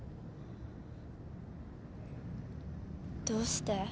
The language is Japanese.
どうして？